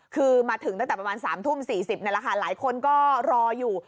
คือมาถึงตั้งแต่ประมาณ๓ทุ่ม๔๐นั่นแหละค่ะหลายคนก็รออยู่